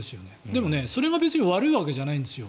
でも、それが別に悪いわけじゃないですよ。